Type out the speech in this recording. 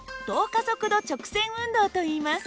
加速度直線運動といいます。